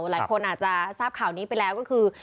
หลายคนอาจจะทราบข่าวนี้ไปแล้วก็คือ